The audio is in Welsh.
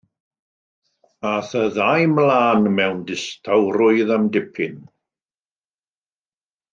Aeth y ddau ymlaen mewn distawrwydd am dipyn.